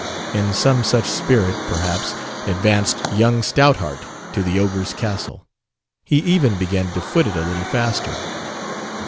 In some such spirit, perhaps, advanced young Stoutheart to the ogre's castle. He even began to foot it a little faster.